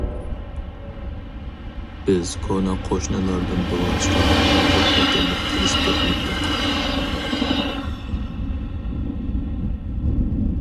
بىز كونا قوشنىلاردىن بولغاچقا ئارتۇق تەكەللۇپ قىلىشىپ كەتمەيتتۇق.